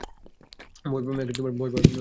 ভয় পাওয়াই ভালো।